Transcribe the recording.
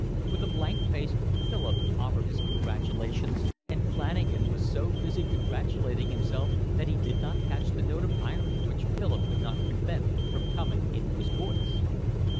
With a blank face Philip offered his congratulations, and Flanagan was so busy congratulating himself that he did not catch the note of irony which Philip could not prevent from coming into his voice.